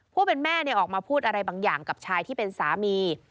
ผู้เป็นแม่ออกมาพูดอะไรบางอย่างกับชายที่เป็นสามี